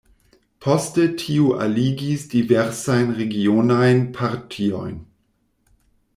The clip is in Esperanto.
Poste tiu aligis diversajn regionajn partiojn.